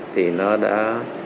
thì nó đã